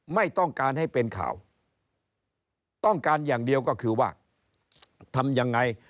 ไม่ต้องการให้เป็นข่าวต้องการอย่างเดียวก็คือว่าทำยังไง